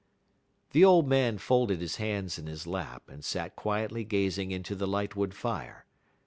The old man folded his hands in his lap, and sat quietly gazing into the lightwood fire.